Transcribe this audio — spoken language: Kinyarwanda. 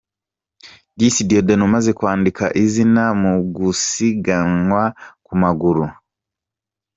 Disi Dieudoné umaze kwandika izina mu gusiganywa ku maguru.